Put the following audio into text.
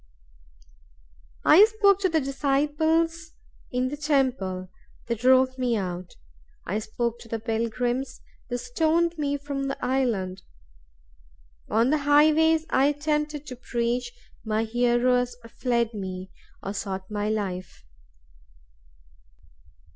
I spoke to the disciples in the temple; they drove me out. I spoke to the pilgrims; they stoned me from the island. On the highways I attempted to preach; my hearers fled from me, or sought my life.